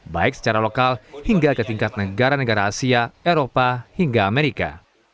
baik secara lokal hingga ke tingkat negara negara asia eropa hingga amerika